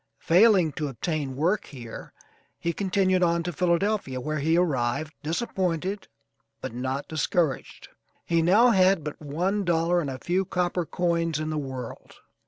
Failing to obtain work here he continued on to Philadelphia, where he arrived, disappointed but not discouraged. He now had but one dollar, and a few copper coins, in the world.